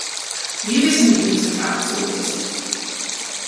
Wir wissen, wie diese Fragen zu lösen sind.